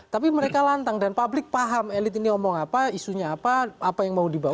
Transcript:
tapi mereka lantang dan publik paham elit ini ngomong apa isunya apa apa yang mau dibawa